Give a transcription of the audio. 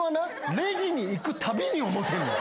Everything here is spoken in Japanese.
レジに行くたびに思ってんねん。